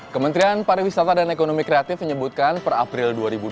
kementerian pariwisata dan ekonomi kreatif menyebutkan per april dua ribu dua puluh